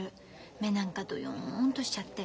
目なんかどよんとしちゃって。